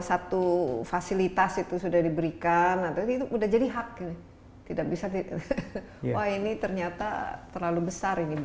satu fasilitas itu sudah diberikan atau itu udah jadi hak tidak bisa di ini ternyata terlalu besar